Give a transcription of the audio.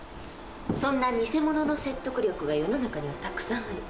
そんなニセモノの説得力が世の中にはたくさんある。